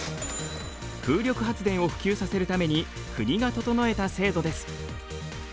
風力発電を普及させるために国が整えた制度です。